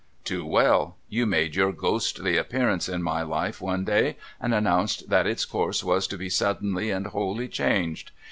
' Too well. You made your ghostly appearance in my life one day, and announced that its course was to be suddenly and wholly changed.